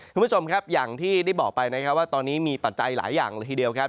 คุณผู้ชมครับอย่างที่ได้บอกไปนะครับว่าตอนนี้มีปัจจัยหลายอย่างละทีเดียวครับ